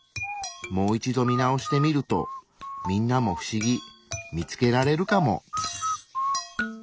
もう一度見直してみるとみんなも不思議見つけられるかも。